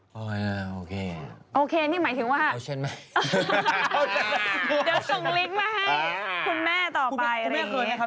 หายหัวไปจ้ะ